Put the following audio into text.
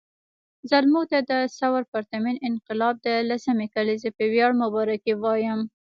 زلمو ته د ثور پرتمین انقلاب د لسمې کلېزې په وياړ مبارکي وایم